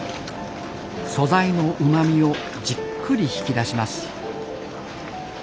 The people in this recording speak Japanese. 素材のうまみをじっくり引き出します。